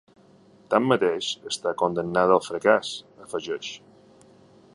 Tanmateix, està condemnada al fracàs, afegeix.